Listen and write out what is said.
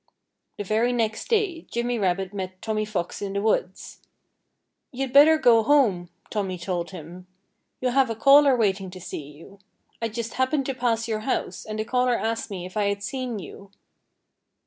The very next day Jimmy Rabbit met Tommy Fox in the woods. "You'd better go home!" Tommy told him. "You have a caller waiting to see you. I just happened to pass your house, and the caller asked me if I had seen you."